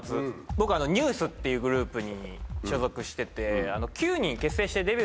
僕ＮＥＷＳっていうグループに所属してて。